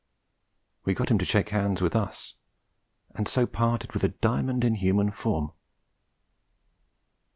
We got him to shake hands with us, and so parted with a diamond in human form.